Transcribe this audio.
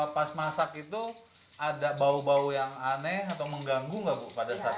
pas masak itu ada bau bau yang aneh atau mengganggu nggak bu pada saat itu